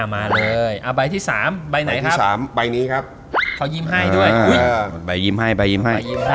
มาเลยเอาใบที่สามใบที่สามใบนี้ครับเขายิ่มให้ด้วยไปยิ่มให้คะ